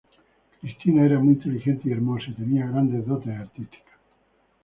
Cristina era muy inteligente y hermosa, y tenía grandes dotes artísticas.